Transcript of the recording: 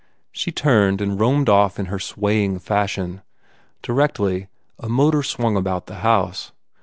She turned and roamed off in her swaying fashion. Directly, a motor swung about the house.